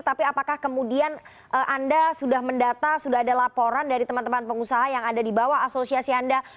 tapi apakah kemudian anda sudah mendata sudah ada laporan dari teman teman pengusaha yang ada di bawah asosiasi anda